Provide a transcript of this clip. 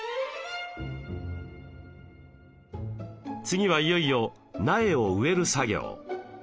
次はいよいよ苗を植える作業。